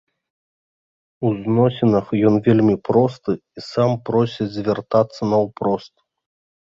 У зносінах ён вельмі просты і сам просіць звяртацца наўпрост.